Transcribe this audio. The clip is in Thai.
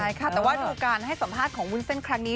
ใช่ค่ะแต่ว่าดูการให้สัมภาษณ์ของวุ้นเส้นครั้งนี้